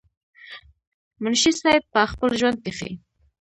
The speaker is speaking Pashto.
منشي صېب پۀ خپل ژوند کښې